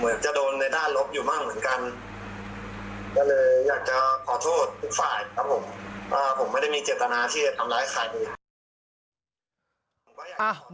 ก็เลยอยากจะขอโทษทุกฝ่ายครับผมว่าผมไม่ได้มีเจตนาที่จะทำร้ายใครอีก